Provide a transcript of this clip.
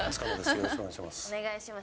よろしくお願いしお願いします。